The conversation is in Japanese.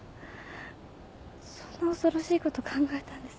そんな恐ろしいこと考えたんです。